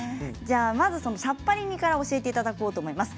まず、さっぱり煮から教えていただこうと思います。